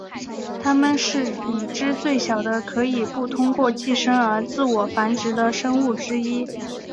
它们是已知最小的可以不通过寄生而自我繁殖的生物之一。